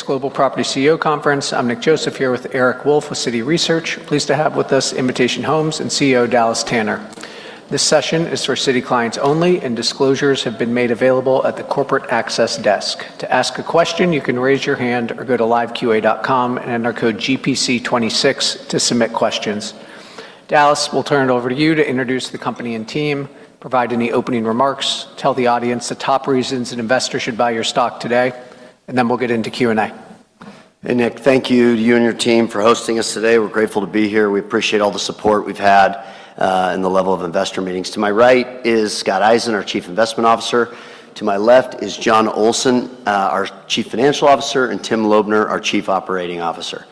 Global Property CEO Conference. I'm Nick Joseph here with Eric Wolfe with Citi Research. Pleased to have with us Invitation Homes and CEO Dallas Tanner. This session is for Citi clients only. Disclosures have been made available at the corporate access desk. To ask a question, you can raise your hand or go to liveqa.com and enter code GPC26 to submit questions. Dallas, we'll turn it over to you to introduce the company and team, provide any opening remarks, tell the audience the top reasons an investor should buy your stock today. Then we'll get into Q&A. Hey, Nick, thank you and your team for hosting us today. We're grateful to be here. We appreciate all the support we've had in the level of investor meetings. To my right is Scott Eisen, our Chief Investment Officer. To my left is Jon Olsen, our Chief Financial Officer, and Tim Lobner, our Chief Operating Officer.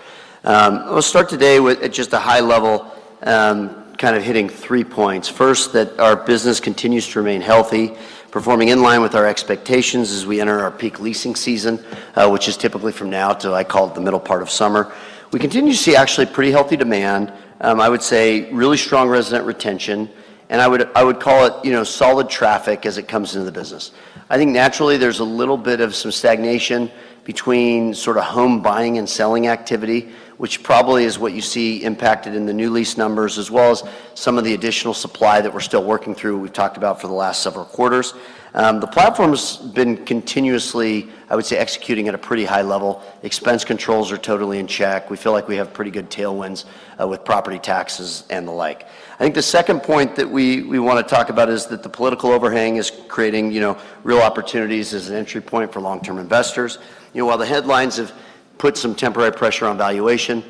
I'll start today with just a high level, kind of hitting three points. First, that our business continues to remain healthy, performing in line with our expectations as we enter our peak leasing season, which is typically from now to, I call it, the middle part of summer. We continue to see actually pretty healthy demand. I would say really strong resident retention, and I would call it, you know, solid traffic as it comes into the business. I think naturally there's a little bit of some stagnation between sorta home buying and selling activity, which probably is what you see impacted in the new lease numbers, as well as some of the additional supply that we're still working through, we've talked about for the last several quarters. The platform's been continuously, I would say, executing at a pretty high level. Expense controls are totally in check. We feel like we have pretty good tailwinds with property taxes and the like. I think the second point that we wanna talk about is that the political overhang is creating, you know, real opportunities as an entry point for long-term investors. You know, while the headlines have put some temporary pressure on valuation,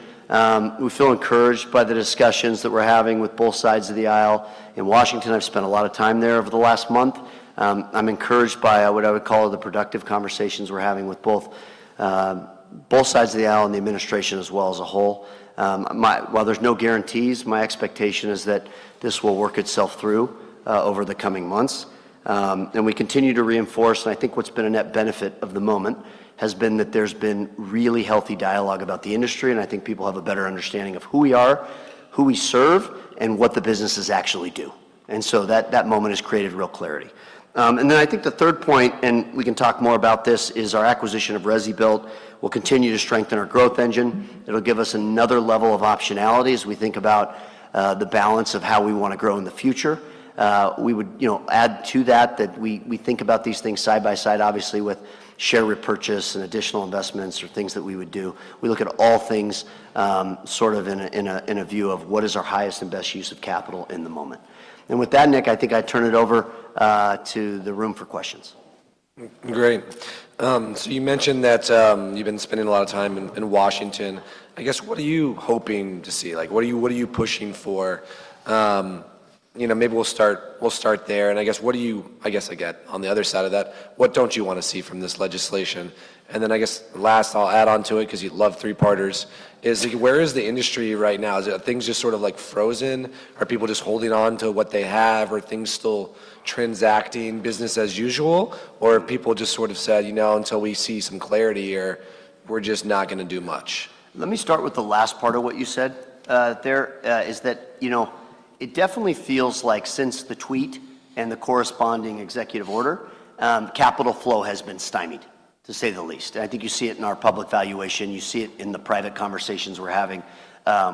we feel encouraged by the discussions that we're having with both sides of the aisle in Washington. I've spent a lot of time there over the last month. I'm encouraged by what I would call the productive conversations we're having with both sides of the aisle and the administration as well as a whole. While there's no guarantees, my expectation is that this will work itself through over the coming months. We continue to reinforce, and I think what's been a net benefit of the moment has been that there's been really healthy dialogue about the industry, and I think people have a better understanding of who we are, who we serve, and what the businesses actually do. That moment has created real clarity. I think the third point, and we can talk more about this, is our acquisition of ResiBuilt will continue to strengthen our growth engine. It'll give us another level of optionality as we think about the balance of how we wanna grow in the future. We would, you know, add to that we think about these things side by side, obviously, with share repurchase and additional investments or things that we would do. We look at all things, sort of in a view of what is our highest and best use of capital in the moment. With that, Nick, I think I turn it over to the room for questions. Great. so you mentioned that, you've been spending a lot of time in Washington. I guess, what are you hoping to see? what are you, what are you pushing for? you know, maybe we'll start there. I guess, I guess again, on the other side of that, what don't you wanna see from this legislation? I guess last, I'll add on to it 'cause you'd love three-parters, is where is the industry right now? Is it things just sort of, like, frozen? Are people just holding on to what they have? Are things still transacting business as usual? Are people just sort of said, "You know, until we see some clarity here, we're just not gonna do much"? Let me start with the last part of what you said, there, is that, you know, it definitely feels like since the tweet and the corresponding executive order, capital flow has been stymied, to say the least. I think you see it in our public valuation. You see it in the private conversations we're having,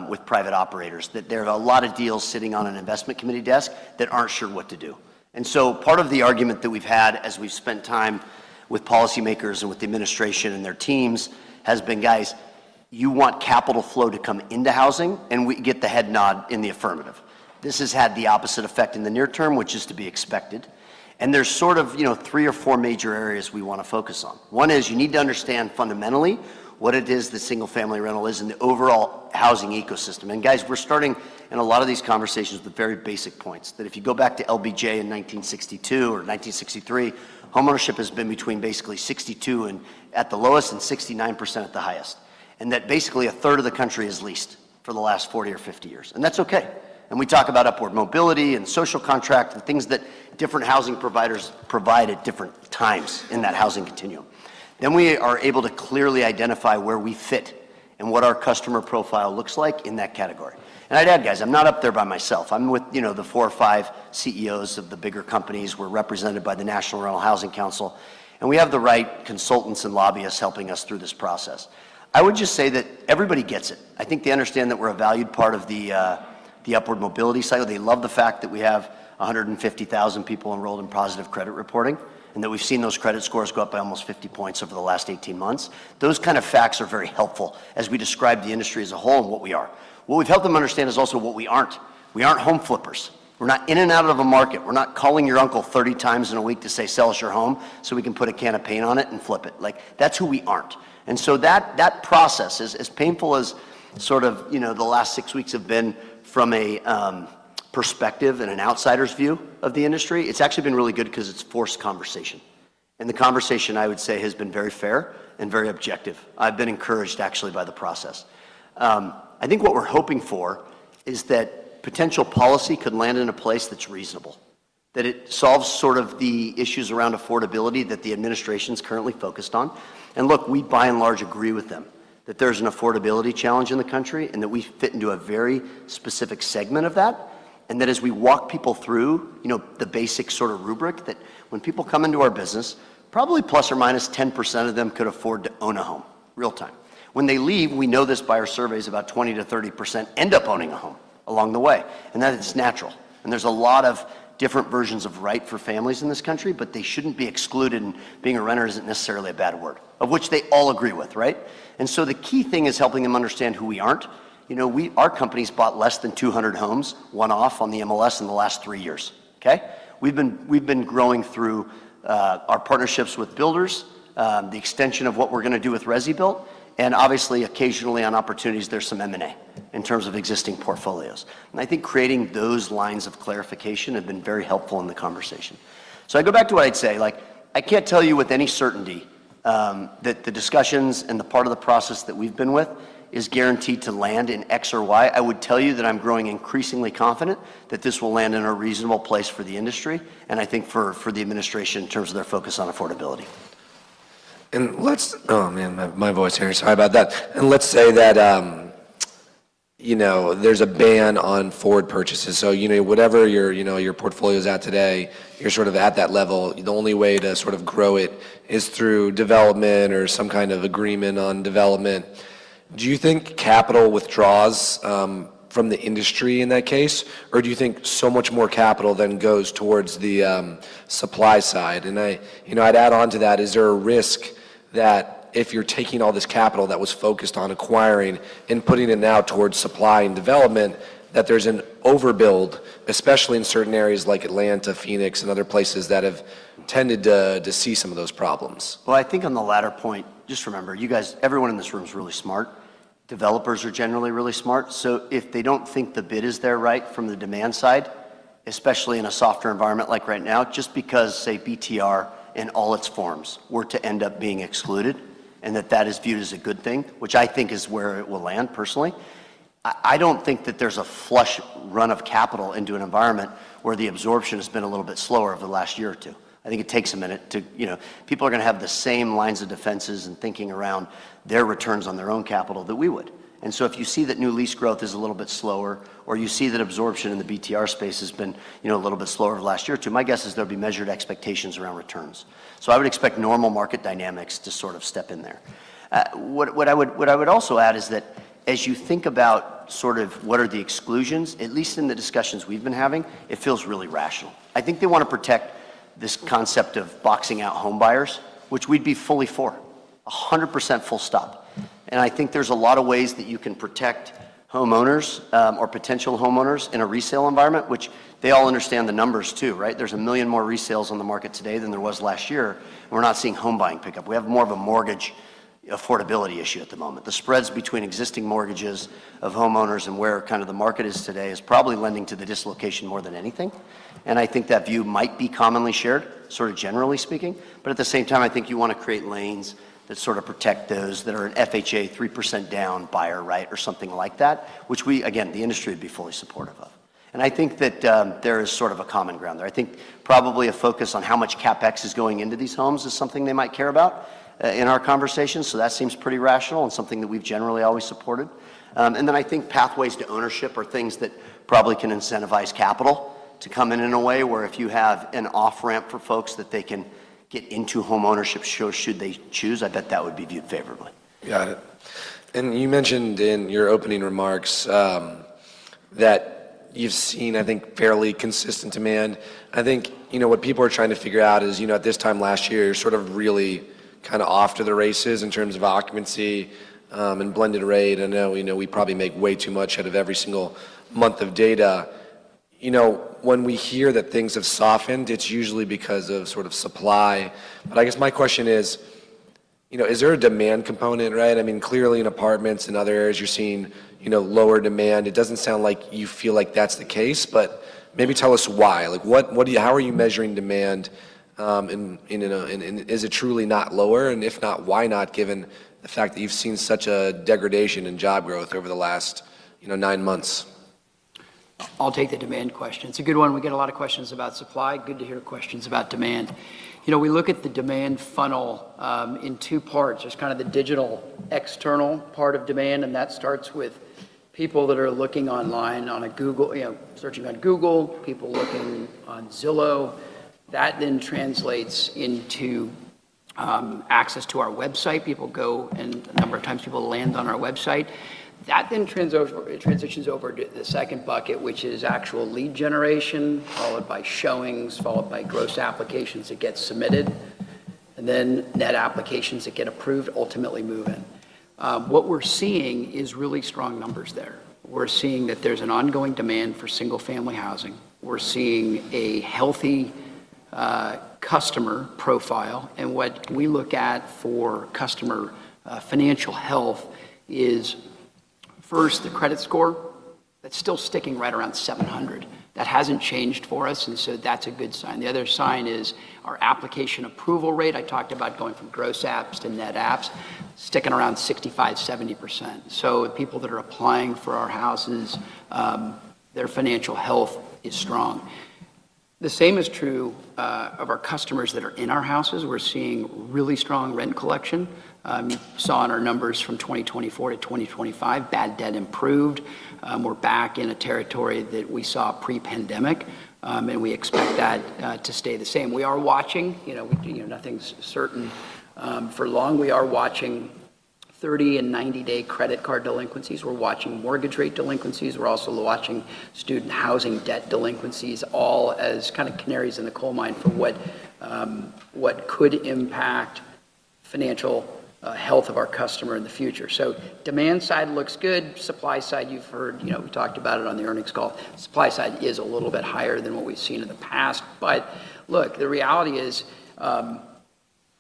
with private operators, that there are a lot of deals sitting on an investment committee desk that aren't sure what to do. Part of the argument that we've had as we've spent time with policymakers and with the administration and their teams has been, "Guys, you want capital flow to come into housing?" We get the head nod in the affirmative. This has had the opposite effect in the near term, which is to be expected. There's sort of, you know, three or four major areas we want to focus on. One is you need to understand fundamentally what it is that single-family rental is in the overall housing ecosystem. Guys, we're starting in a lot of these conversations with very basic points, that if you go back to LBJ in 1962 or 1963, homeownership has been between basically 62% and, at the lowest, and 69% at the highest, and that basically a third of the country is leased for the last 40 or 50 years, and that's okay. We talk about upward mobility and social contract and things that different housing providers provide at different times in that housing continuum. We are able to clearly identify where we fit and what our customer profile looks like in that category. I'd add, guys, I'm not up there by myself. I'm with, you know, the four or five CEOs of the bigger companies. We're represented by the National Rural Housing Coalition, and we have the right consultants and lobbyists helping us through this process. I would just say that everybody gets it. I think they understand that we're a valued part of the upward mobility side. They love the fact that we have 150,000 people enrolled in positive credit reporting and that we've seen those credit scores go up by almost 50 points over the last 18 months. Those kind of facts are very helpful as we describe the industry as a whole and what we are. What we've helped them understand is also what we aren't. We aren't home flippers. We're not in and out of a market. We're not calling your uncle 30x in a week to say, "Sell us your home, so we can put a can of paint on it and flip it." Like, that's who we aren't. That process is painful as sort of, you know, the last six weeks have been from a perspective and an outsider's view of the industry. It's actually been really good 'cause it's forced conversation, and the conversation, I would say, has been very fair and very objective. I've been encouraged actually by the process. I think what we're hoping for is that potential policy could land in a place that's reasonable, that it solves sort of the issues around affordability that the administration's currently focused on. Look, we by and large agree with them that there's an affordability challenge in the country and that we fit into a very specific segment of that. As we walk people through, you know, the basic sort of rubric that when people come into our business, probably ±10% of them could afford to own a home, real time. When they leave, we know this by our surveys, about 20%-30% end up owning a home along the way, and that is natural. There's a lot of different versions of right for families in this country, but they shouldn't be excluded, and being a renter isn't necessarily a bad word, of which they all agree with, right? The key thing is helping them understand who we aren't. You know, our company's bought less than 200 homes, one-off on the MLS in the last three years, okay? We've been growing through our partnerships with builders, the extension of what we're gonna do with ResiBuilt, and obviously occasionally on opportunities, there's some M&A in terms of existing portfolios. I think creating those lines of clarification have been very helpful in the conversation. I go back to what I'd say, like, I can't tell you with any certainty that the discussions and the part of the process that we've been with is guaranteed to land in X or Y. I would tell you that I'm growing increasingly confident that this will land in a reasonable place for the industry, and I think for the administration in terms of their focus on affordability. Oh, man, my voice here. Sorry about that. Let's say that, you know, there's a ban on forward purchases. Whatever your, you know, your portfolio's at today, you're sort of at that level. The only way to sort of grow it is through development or some kind of agreement on development. Do you think capital withdraws from the industry in that case? Do you think so much more capital then goes towards the supply side? I, you know, I'd add on to that, is there a risk that if you're taking all this capital that was focused on acquiring and putting it now towards supply and development, that there's an overbuild, especially in certain areas like Atlanta, Phoenix, and other places that have tended to see some of those problems? Well, I think on the latter point, just remember, you guys, everyone in this room is really smart. Developers are generally really smart. If they don't think the bid is there right from the demand side, especially in a softer environment like right now, just because, say, BTR in all its forms were to end up being excluded and that that is viewed as a good thing, which I think is where it will land, personally, I don't think that there's a flush run of capital into an environment where the absorption has been a little bit slower over the last year or two. I think it takes a minute to, you know, people are gonna have the same lines of defenses and thinking around their returns on their own capital that we would. If you see that new lease growth is a little bit slower, or you see that absorption in the BTR space has been, you know, a little bit slower over the last year or two, my guess is there'll be measured expectations around returns. I would expect normal market dynamics to sort of step in there. What I would also add is that as you think about sort of what are the exclusions, at least in the discussions we've been having, it feels really rational. I think they wanna protect this concept of boxing out home buyers, which we'd be fully for, 100% full stop. I think there's a lot of ways that you can protect homeowners, or potential homeowners in a resale environment, which they all understand the numbers too, right? There's 1 million more resales on the market today than there was last year. We're not seeing home buying pickup. We have more of a mortgage affordability issue at the moment. The spreads between existing mortgages of homeowners and where kind of the market is today is probably lending to the dislocation more than anything. I think that view might be commonly shared, sort of generally speaking. At the same time, I think you wanna create lanes that sort of protect those that are an FHA 3% down buyer, right? Or something like that, which we, again, the industry would be fully supportive of. I think that, there is sort of a common ground there. I think probably a focus on how much CapEx is going into these homes is something they might care about, in our conversations, so that seems pretty rational and something that we've generally always supported. I think pathways to ownership are things that probably can incentivize capital to come in in a way where if you have an off-ramp for folks that they can get into homeownership should they choose, I bet that would be viewed favorably. Got it. You mentioned in your opening remarks, that you've seen, I think, fairly consistent demand. I think, you know, what people are trying to figure out is, you know, at this time last year, you're sort of really kinda off to the races in terms of occupancy, and blended rate. I know, you know, we probably make way too much out of every single month of data. You know, when we hear that things have softened, it's usually because of sort of supply. I guess my question is, you know, is there a demand component, right? I mean, clearly in apartments and other areas, you're seeing, you know, lower demand. It doesn't sound like you feel like that's the case, but maybe tell us why. Like, how are you measuring demand, and is it truly not lower? If not, why not, given the fact that you've seen such a degradation in job growth over the last, you know, nine months? I'll take the demand question. It's a good one. We get a lot of questions about supply. Good to hear questions about demand. You know, we look at the demand funnel in two parts. There's kind of the digital external part of demand. That starts with people that are looking online on a Google, you know, searching on Google, people looking on Zillow. That translates into access to our website. People go. A number of times people land on our website. That transitions over to the second bucket, which is actual lead generation, followed by showings, followed by gross applications that get submitted. Net applications that get approved ultimately move in. What we're seeing is really strong numbers there. We're seeing that there's an ongoing demand for single-family housing. We're seeing a healthy customer profile, and what we look at for customer financial health is first the credit score. That's still sticking right around 700. That hasn't changed for us. That's a good sign. The other sign is our application approval rate. I talked about going from gross apps to net apps, sticking around 65%-70%. People that are applying for our houses, their financial health is strong. The same is true of our customers that are in our houses. We're seeing really strong rent collection. Saw in our numbers from 2024 to 2025, bad debt improved. We're back in a territory that we saw pre-pandemic, we expect that to stay the same. We are watching, you know, you know, nothing's certain for long. We are watching 30- and 90-day credit card delinquencies. We're watching mortgage rate delinquencies. We're also watching student housing debt delinquencies, all as kind of canaries in the coal mine for what could impact financial health of our customer in the future. Demand side looks good. Supply side, you've heard, you know, we talked about it on the earnings call. Supply side is a little bit higher than what we've seen in the past. Look, the reality is,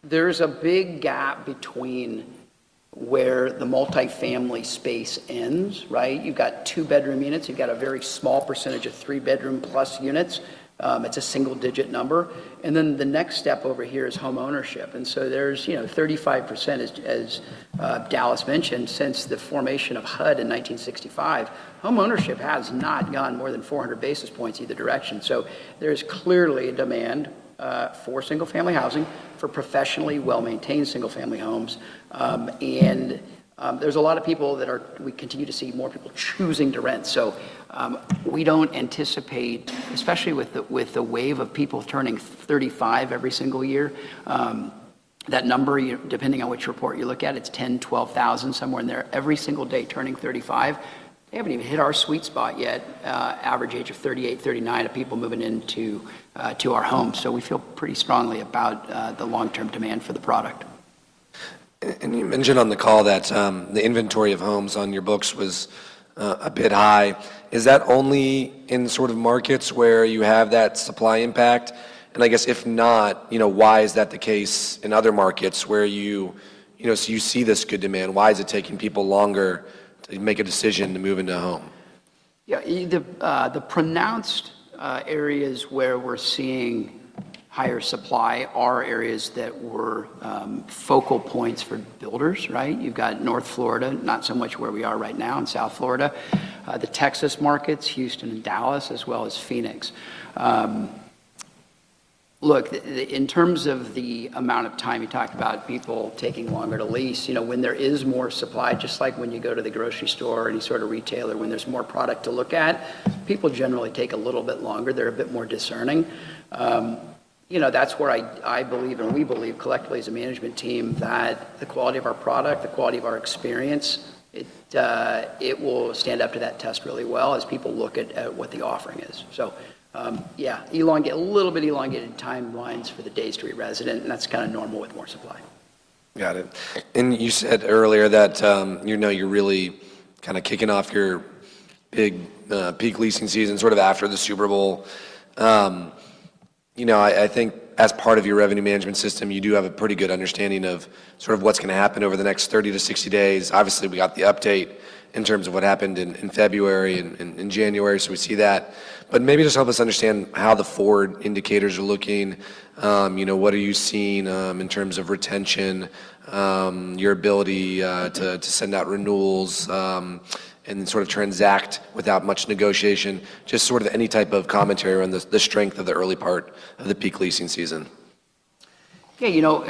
there's a big gap between where the multifamily space ends, right? You've got two-bedroom units. You've got a very small percentage of three-bedroom-plus units. It's a single-digit number. Then the next step over here is homeownership. So there's, you know, 35%, as Dallas mentioned, since the formation of HUD in 1965, homeownership has not gone more than 400 basis points either direction. There's clearly demand for single-family housing, for professionally well-maintained single-family homes. There's a lot of people we continue to see more people choosing to rent. We don't anticipate, especially with the wave of people turning 35 every single year, that number, depending on which report you look at, it's 10,000-12,000, somewhere in there, every single day turning 35. They haven't even hit our sweet spot yet, average age of 38, 39 of people moving into, to our homes. We feel pretty strongly about, the long-term demand for the product. You mentioned on the call that the inventory of homes on your books was a bit high. Is that only in sort of markets where you have that supply impact? I guess if not, you know, why is that the case in other markets where you know, so you see this good demand, why is it taking people longer to make a decision to move into a home? Yeah. The pronounced areas where we're seeing higher supply are areas that were focal points for builders, right? You've got North Florida, not so much where we are right now in South Florida. The Texas markets, Houston and Dallas, as well as Phoenix. Look, in terms of the amount of time you talked about people taking longer to lease, you know, when there is more supply, just like when you go to the grocery store, any sort of retailer, when there's more product to look at, people generally take a little bit longer. They're a bit more discerning. You know, that's where I believe, and we believe collectively as a management team, that the quality of our product, the quality of our experience, it will stand up to that test really well as people look at what the offering is. Yeah, a little bit elongated timelines for the Days to be resident, and that's kind of normal with more supply. Got it. You said earlier that, you know, you're really kind of kicking off your big peak leasing season sort of after the Super Bowl. You know, I think as part of your revenue management system, you do have a pretty good understanding of sort of what's gonna happen over the next 30 to 60 days. Obviously, we got the update in terms of what happened in February and in January, so we see that. Maybe just help us understand how the forward indicators are looking. You know, what are you seeing in terms of retention, your ability to send out renewals, and sort of transact without much negotiation? Just sort of any type of commentary around the strength of the early part of the peak leasing season. Yeah, you know,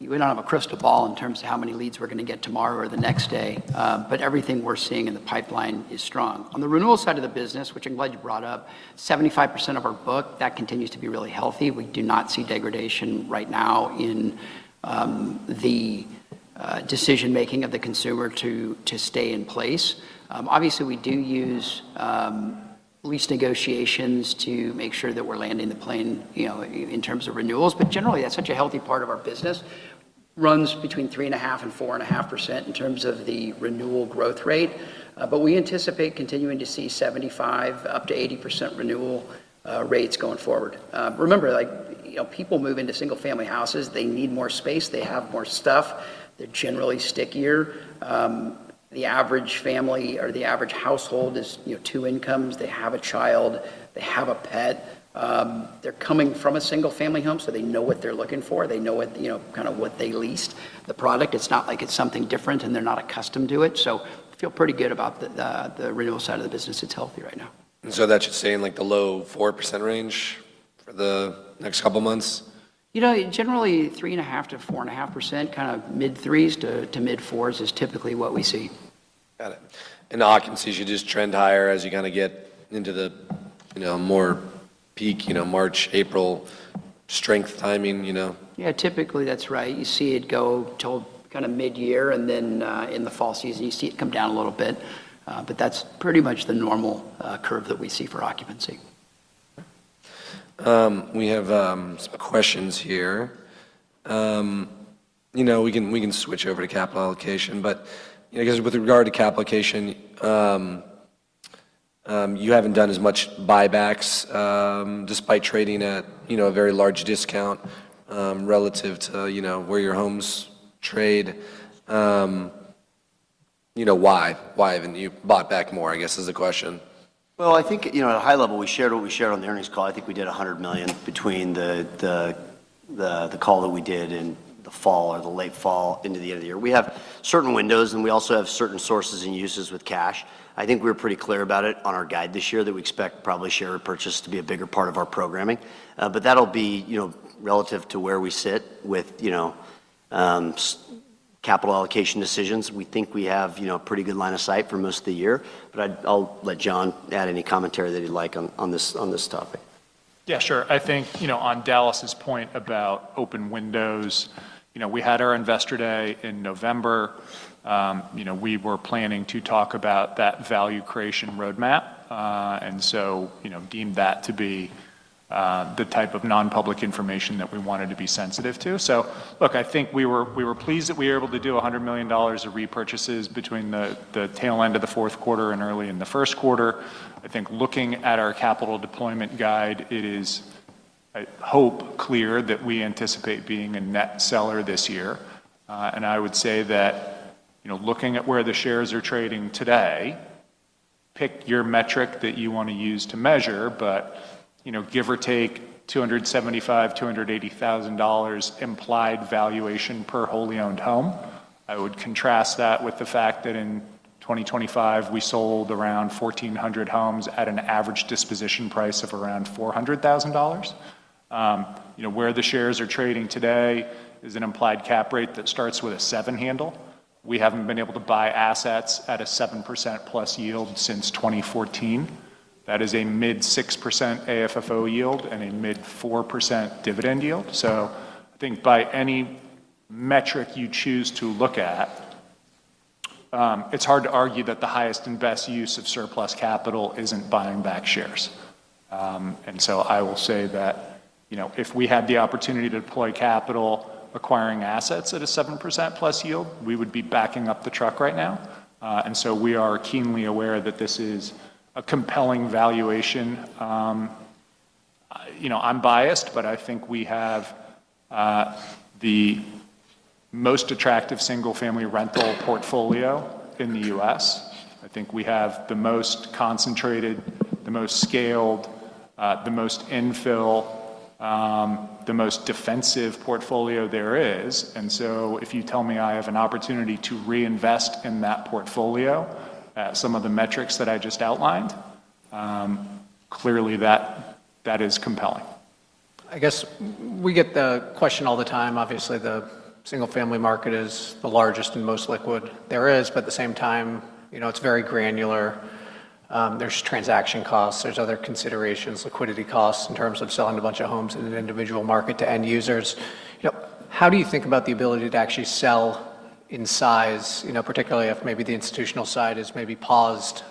we don't have a crystal ball in terms of how many leads we're gonna get tomorrow or the next day. Everything we're seeing in the pipeline is strong. On the renewal side of the business, which I'm glad you brought up, 75% of our book, that continues to be really healthy. We do not see degradation right now in the decision-making of the consumer to stay in place. Obviously, we do use lease negotiations to make sure that we're landing the plane, you know, in terms of renewals. Generally, that's such a healthy part of our business. Runs between 3.5%-4.5% in terms of the renewal growth rate. We anticipate continuing to see 75%, up to 80% renewal rates going forward. Remember, like, you know, people move into single-family houses. They need more space. They have more stuff. They're generally stickier. The average family or the average household is, you know, two incomes. They have a child. They have a pet. They're coming from a single-family home, so they know what they're looking for. They know what, you know, kind of what they leased, the product. It's not like it's something different, and they're not accustomed to it. Feel pretty good about the renewal side of the business. It's healthy right now. That should stay in, like, the low 4% range for the next couple months? You know, generally, 3.5% to 4.5%, kind of mid-3s to mid-4s is typically what we see. Got it. occupancies should just trend higher as you kind of get into the, you know, more peak, you know, March, April strength timing, you know? Typically, that's right. You see it go till kind of mid-year, and then, in the fall season, you see it come down a little bit. That's pretty much the normal curve that we see for occupancy. We have some questions here. You know, we can switch over to capital allocation. You know, I guess with regard to capital allocation, you haven't done as much buybacks, despite trading at, you know, a very large discount, relative to, you know, where your homes trade. You know, why? Why haven't you bought back more, I guess, is the question. Well, I think, you know, at a high level, we shared what we shared on the earnings call. I think we did $100 million between the call that we did in. The fall or the late fall into the end of the year. We have certain windows, and we also have certain sources and uses with cash. I think we're pretty clear about it on our guide this year that we expect probably share repurchase to be a bigger part of our programming. That'll be, you know, relative to where we sit with, you know, capital allocation decisions. We think we have, you know, a pretty good line of sight for most of the year. I'll let Jon add any commentary that he'd like on this, on this topic. Sure. I think, you know, on Dallas's point about open windows, you know, we had our Investor day in November. You know, we were planning to talk about that value creation roadmap, you know, deemed that to be the type of non-public information that we wanted to be sensitive to. Look, I think we were pleased that we were able to do $100 million of repurchases between the tail end of the 4th quarter and early in the 1st quarter. I think looking at our capital deployment guide, it is, I hope, clear that we anticipate being a net seller this year. I would say that, you know, looking at where the shares are trading today, pick your metric that you wanna use to measure, you know, give or take $275,000-$280,000 implied valuation per wholly owned home. I would contrast that with the fact that in 2025, we sold around 1,400 homes at an average disposition price of around $400,000. You know, where the shares are trading today is an implied cap rate that starts with a seven handle. We haven't been able to buy assets at a 7%+ yield since 2014. That is a mid 6% AFFO yield and a mid 4% dividend yield. I think by any metric you choose to look at, it's hard to argue that the highest and best use of surplus capital isn't buying back shares. I will say that, you know, if we had the opportunity to deploy capital acquiring assets at a 7%+ yield, we would be backing up the truck right now. We are keenly aware that this is a compelling valuation. You know, I'm biased, but I think we have the most attractive single-family rental portfolio in the U.S. I think we have the most concentrated, the most scaled, the most infill, the most defensive portfolio there is. If you tell me I have an opportunity to reinvest in that portfolio at some of the metrics that I just outlined, clearly that is compelling. I guess we get the question all the time. Obviously, the single-family market is the largest and most liquid there is. At the same time, you know, it's very granular. There's transaction costs. There's other considerations, liquidity costs in terms of selling a bunch of homes in an individual market to end users. You know, how do you think about the ability to actually sell in size, you know, particularly if maybe the institutional side is maybe paused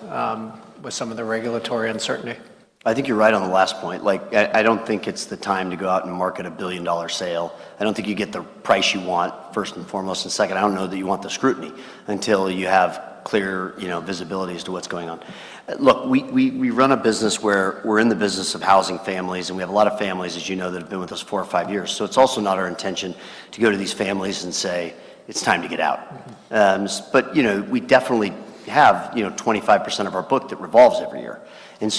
with some of the regulatory uncertainty? I think you're right on the last point. Like, I don't think it's the time to go out and market a billion-dollar sale. I don't think you get the price you want, first and foremost. Second, I don't know that you want the scrutiny until you have clear, you know, visibility as to what's going on. Look, we run a business where we're in the business of housing families, and we have a lot of families, as you know, that have been with us four or five years. It's also not our intention to go to these families and say, "It's time to get outbut, you know, we definitely have, you know, 25% of our book that revolves every year. But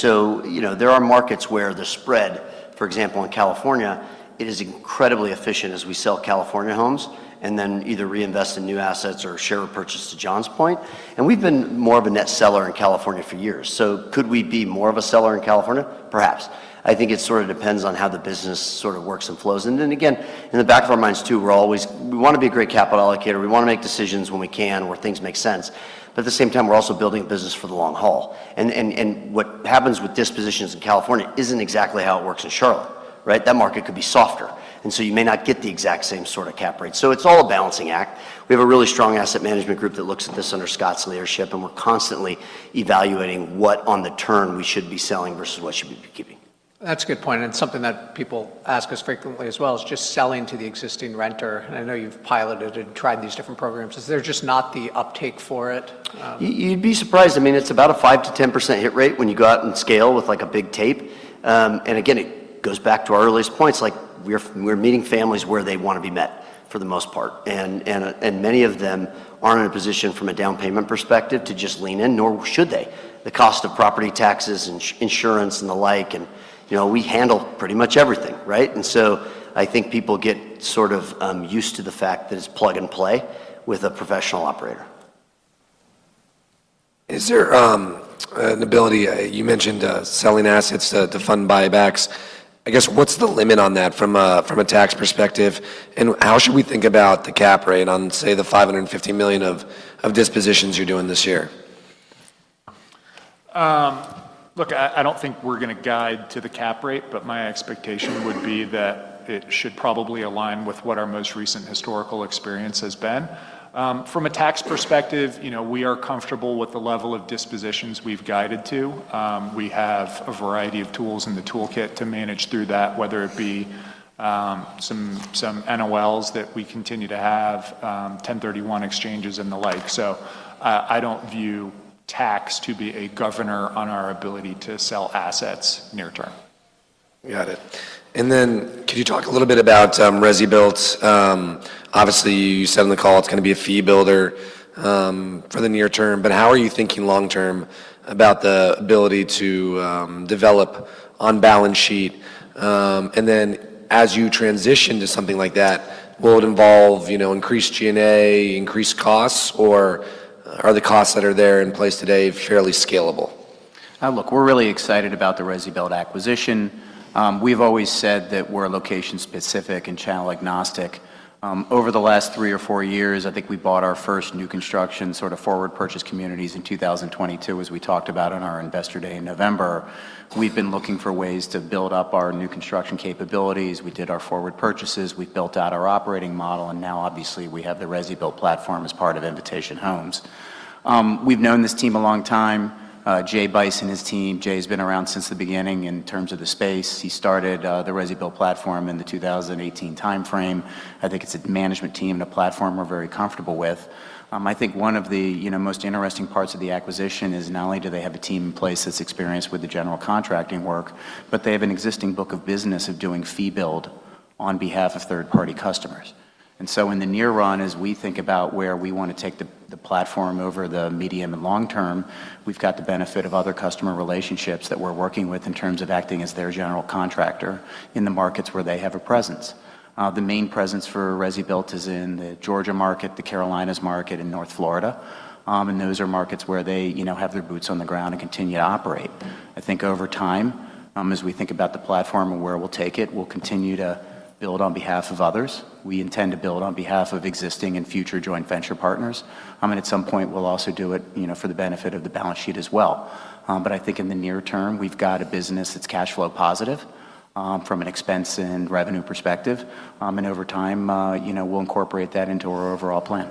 you know, there are markets where the spread, for example, in California, it is incredibly efficient as we sell California homes and then either reinvest in new assets or share a purchase to Jon Olsen's point. We've been more of a net seller in California for years. Could we be more of a seller in California? Perhaps. I think it sort of depends on how the business sort of works and flows. Then again, in the back of our minds too, we wanna be a great capital allocator. We wanna make decisions when we can, where things make sense. At the same time, we're also building a business for the long haul. What happens with dispositions in California isn't exactly how it works in Charlotte, right? That market could be softer, and so you may not get the exact same sort of cap rate. It's all a balancing act. We have a really strong asset management group that looks at this under Scott's leadership, and we're constantly evaluating what on the term we should be selling versus what should we be keeping. That's a good point. Something that people ask us frequently as well is just selling to the existing renter. I know you've piloted and tried these different programs. Is there just not the uptake for it? You'd be surprised. I mean, it's about a 5%-10% hit rate when you go out and scale with, like, a big tape. Again, it goes back to our earliest points. Like, we're meeting families where they wanna be met for the most part. Many of them aren't in a position from a down payment perspective to just lean in, nor should they. The cost of property taxes, insurance and the like, and, you know, we handle pretty much everything, right? I think people get sort of used to the fact that it's plug and play with a professional operator. You mentioned selling assets to fund buybacks. I guess, what's the limit on that from a tax perspective? How should we think about the cap rate on, say, the $550 million of dispositions you're doing this year? Look, I don't think we're gonna guide to the cap rate, but my expectation would be that it should probably align with what our most recent historical experience has been. From a tax perspective, you know, we are comfortable with the level of dispositions we've guided to. We have a variety of tools in the toolkit to manage through that, whether it be, some NOLs that we continue to have, 1031 exchanges and the like. I don't view tax to be a governor on our ability to sell assets near term. Got it. Could you talk a little bit about ResiBuilt? Obviously, you said on the call it's gonna be a fee builder for the near term. How are you thinking long term about the ability to develop on balance sheet, and then as you transition to something like that, will it involve, you know, increased G&A, increased costs, or are the costs that are there in place today fairly scalable? Now look, we're really excited about the ResiBuilt acquisition. We've always said that we're location-specific and channel-agnostic. Over the last three or four years, I think we bought our first new construction sort of forward purchase communities in 2022, as we talked about on our Investor Day in November. We've been looking for ways to build up our new construction capabilities. We did our forward purchases. We built out our operating model, now obviously we have the ResiBuilt platform as part of Invitation Homes. We've known this team a long time, Jay Bice and his team. Jay's been around since the beginning in terms of the space. He started the ResiBuilt platform in the 2018 timeframe. I think it's a management team and a platform we're very comfortable with. I think one of the, you know, most interesting parts of the acquisition is not only do they have a team in place that's experienced with the general contracting work, but they have an existing book of business of doing fee build on behalf of third-party customers. In the near run, as we think about where we want to take the platform over the medium and long term, we've got the benefit of other customer relationships that we're working with in terms of acting as their general contractor in the markets where they have a presence. The main presence for ResiBuilt is in the Georgia market, the Carolinas market, and North Florida. Those are markets where they, you know, have their boots on the ground and continue to operate. I think over time, as we think about the platform and where we'll take it, we'll continue to build on behalf of others. We intend to build on behalf of existing and future joint venture partners. At some point, we'll also do it, you know, for the benefit of the balance sheet as well. I think in the near term, we've got a business that's cash flow positive, from an expense and revenue perspective. Over time, you know, we'll incorporate that into our overall plan.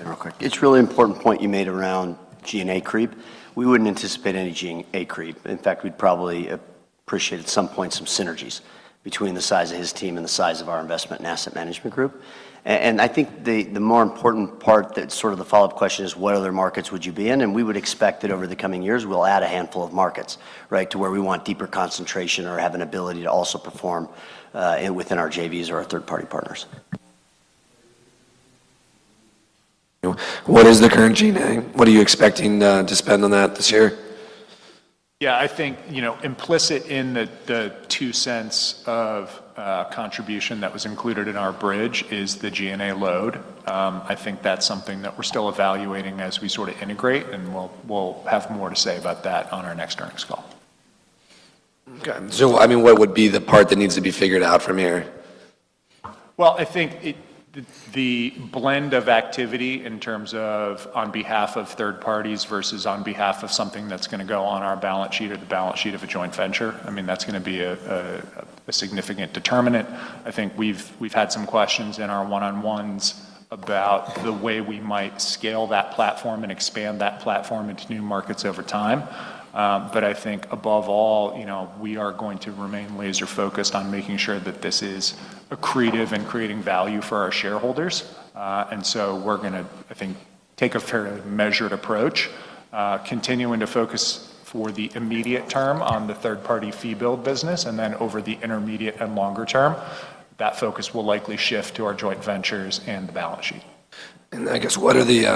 Real quick. It's a really important point you made around G&A creep. We wouldn't anticipate any G&A creep. In fact, we'd probably appreciate at some point some synergies between the size of his team and the size of our investment and asset management group. I think the more important part that's sort of the follow-up question is what other markets would you be in? We would expect that over the coming years, we'll add a handful of markets, right? To where we want deeper concentration or have an ability to also perform within our JVs or our third-party partners. What is the current G&A? What are you expecting to spend on that this year? I think, you know, implicit in the $0.02 of contribution that was included in our bridge is the G&A load. I think that's something that we're still evaluating as we sort of integrate, and we'll have more to say about that on our next earnings call. Okay. I mean, what would be the part that needs to be figured out from here? Well, I think the blend of activity in terms of on behalf of third parties versus on behalf of something that's gonna go on our balance sheet or the balance sheet of a joint venture. I mean, that's gonna be a significant determinant. I think we've had some questions in our one-on-ones about the way we might scale that platform and expand that platform into new markets over time. I think above all, you know, we are going to remain laser-focused on making sure that this is accretive and creating value for our shareholders. We're gonna, I think, take a fair measured approach, continuing to focus for the immediate term on the third-party fee build business, and then over the intermediate and longer term, that focus will likely shift to our joint ventures and the balance sheet. I guess what are the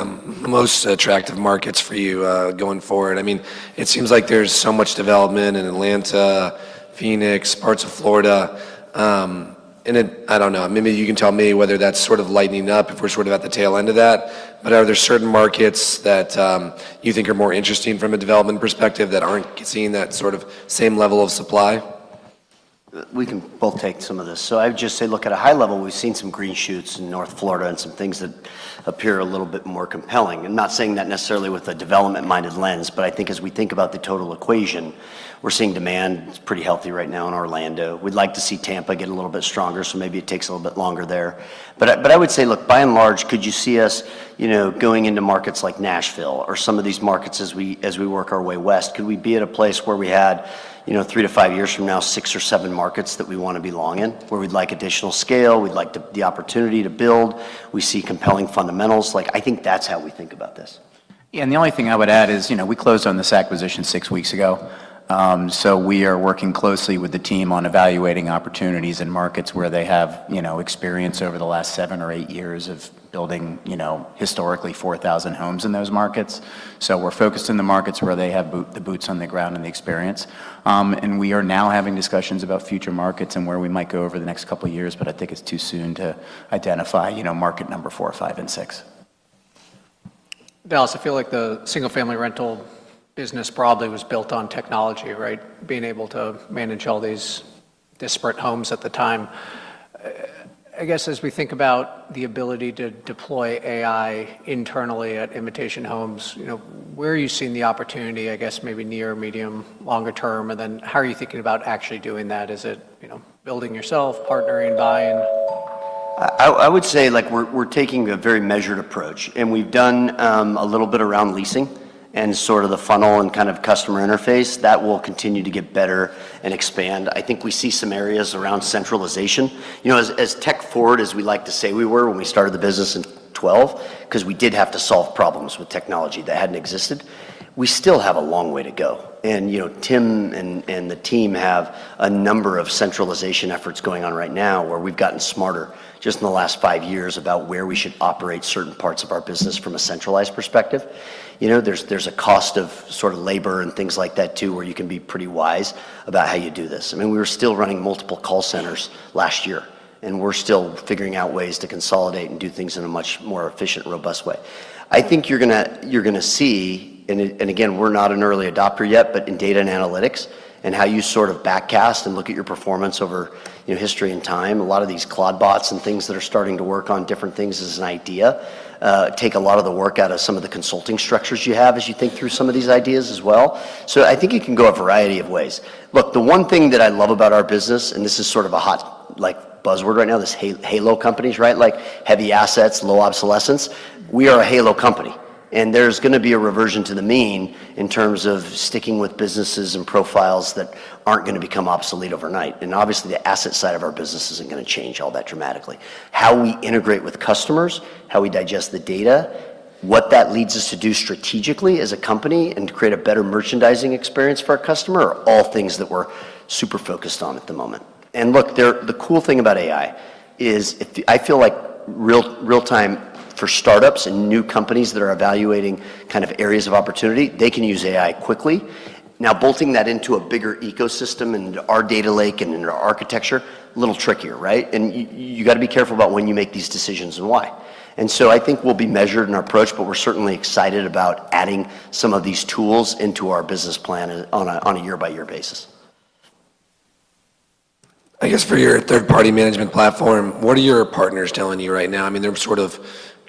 most attractive markets for you going forward? I mean, it seems like there's so much development in Atlanta, Phoenix, parts of Florida. I don't know. Maybe you can tell me whether that's sort of lightening up, if we're sort of at the tail end of that. Are there certain markets that you think are more interesting from a development perspective that aren't seeing that sort of same level of supply? We can both take some of this. I would just say, look, at a high level, we've seen some green shoots in North Florida and some things that appear a little bit more compelling. I'm not saying that necessarily with a development-minded lens, but I think as we think about the total equation, we're seeing demand is pretty healthy right now in Orlando. We'd like to see Tampa get a little bit stronger, so maybe it takes a little bit longer there. I would say, look, by and large, could you see us, you know, going into markets like Nashville or some of these markets as we work our way west? Could we be at a place where we had, you know, three to five years from now, six or seven markets that we wanna belong in, where we'd like additional scale, we'd like the opportunity to build, we see compelling fundamentals? Like, I think that's how we think about this. The only thing I would add is, you know, we closed on this acquisition six weeks ago. We are working closely with the team on evaluating opportunities in markets where they have, you know, experience over the last seven or eight years of building, you know, historically 4,000 homes in those markets. We're focused in the markets where they have the boots on the ground and the experience. We are now having discussions about future markets and where we might go over the next couple years, I think it's too soon to identify, you know, market number 4, 5, and 6. Dallas, I feel like the single-family rental business probably was built on technology, right? Being able to manage all these disparate homes at the time. I guess as we think about the ability to deploy AI internally at Invitation Homes, you know, where are you seeing the opportunity, I guess, maybe near, medium, longer term? How are you thinking about actually doing that? Is it, you know, building yourself, partnering, buying? I would say, like, we're taking a very measured approach, and we've done a little bit around leasing and sort of the funnel and kind of customer interface. That will continue to get better and expand. I think we see some areas around centralization. You know, as tech-forward as we like to say we were when we started the business in 2012, 'cause we did have to solve problems with technology that hadn't existed, we still have a long way to go. You know, Tim and the team have a number of centralization efforts going on right now where we've gotten smarter just in the last five years about where we should operate certain parts of our business from a centralized perspective. You know, there's a cost of sort of labor and things like that too, where you can be pretty wise about how you do this. I mean, we were still running multiple call centers last year. We're still figuring out ways to consolidate and do things in a much more efficient, robust way. I think you're gonna see, and again, we're not an early adopter yet, but in data and analytics and how you sort of back cast and look at your performance over, you know, history and time, a lot of these cloud bots and things that are starting to work on different things as an idea, take a lot of the work out of some of the consulting structures you have as you think through some of these ideas as well. I think it can go a variety of ways. Look, the one thing that I love about our business, this is sort of a hot, like, buzzword right now, this HALO companies, right? Like, Heavy Assets, Low Obsolescence. We are a HALO company, and there's gonna be a reversion to the mean in terms of sticking with businesses and profiles that aren't gonna become obsolete overnight. Obviously, the asset side of our business isn't gonna change all that dramatically. How we integrate with customers, how we digest the data, what that leads us to do strategically as a company and to create a better merchandising experience for our customer are all things that we're super focused on at the moment. Look, the cool thing about AI is I feel like real time for startups and new companies that are evaluating kind of areas of opportunity, they can use AI quickly. Bolting that into a bigger ecosystem and our data lake and into our architecture, a little trickier, right? You gotta be careful about when you make these decisions and why. I think we'll be measured in our approach, but we're certainly excited about adding some of these tools into our business plan on a year-by-year basis. I guess for your third-party management platform, what are your partners telling you right now? I mean, they're sort of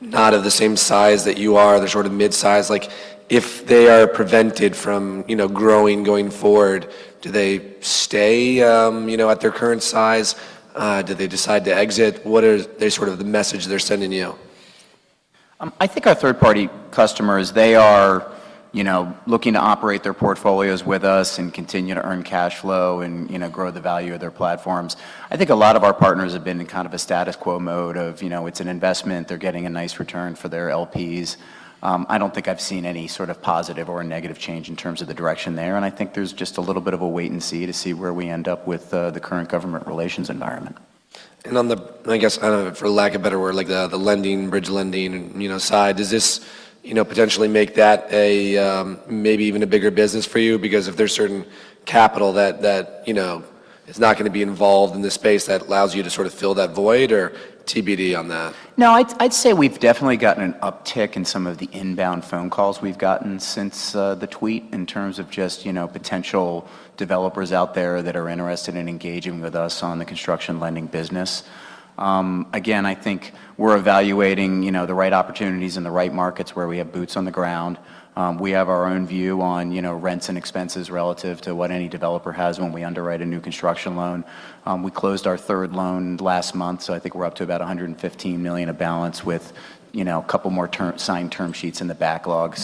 not of the same size that you are. They're sort of mid-size. Like, if they are prevented from, you know, growing going forward, do they stay, you know, at their current size? Do they decide to exit? What is the sort of the message they're sending you? I think our third-party customers, they are, you know, looking to operate their portfolios with us and continue to earn cash flow and, you know, grow the value of their platforms. I think a lot of our partners have been in kind of a status quo mode of, you know, it's an investment, they're getting a nice return for their LPs. I don't think I've seen any sort of positive or negative change in terms of the direction there, and I think there's just a little bit of a wait and see to see where we end up with the current government relations environment. On the-- I guess, kind of for lack of better word, like the lending, bridge lending, you know, side, does this, you know, potentially make that a, maybe even a bigger business for you? Because if there's certain capital that, you know, is not gonna be involved in this space, that allows you to sort of fill that void, or TBD on that? I'd say we've definitely gotten an uptick in some of the inbound phone calls we've gotten since the tweet in terms of just, you know, potential developers out there that are interested in engaging with us on the construction lending business. I think we're evaluating, you know, the right opportunities and the right markets where we have boots on the ground. We have our own view on, you know, rents and expenses relative to what any developer has when we underwrite a new construction loan. We closed our third loan last month. I think we're up to about $115 million of balance with, you know, a couple more signed term sheets in the backlog.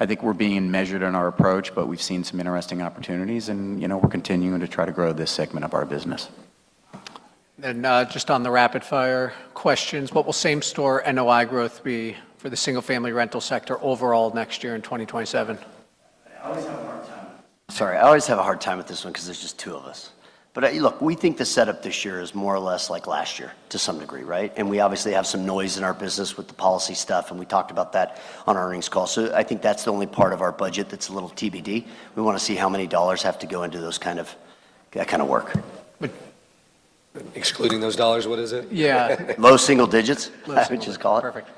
I think we're being measured in our approach, but we've seen some interesting opportunities and, you know, we're continuing to try to grow this segment of our business. Just on the rapid fire questions, what will same store NOI growth be for the single-family rental sector overall next year in 2027? I always have a hard time... Sorry, I always have a hard time with this one 'cause there's just two of us. Look, we think the setup this year is more or less like last year to some degree, right? We obviously have some noise in our business with the policy stuff, and we talked about that on our earnings call. I think that's the only part of our budget that's a little TBD. We wanna see how many dollars have to go into that kind of work. Excluding those dollars, what is it? Yeah. Low single digits. Low single digits. I'd just call it. Perfect.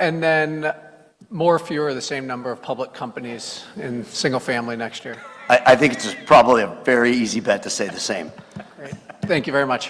Then more, fewer, the same number of public companies in single-family next year? I think it's probably a very easy bet to say the same. Great. Thank you very much.